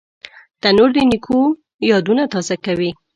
تنور د نیکو یادونه تازه کوي